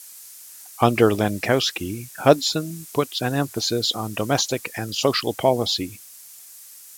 Under Lenkowsky, Hudson put an emphasis on domestic and social policy.